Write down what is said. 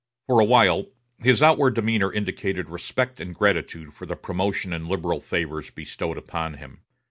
For a while his outward demeanor indicated respect and gratitude for the promotion and liberal favors bestowed upon him.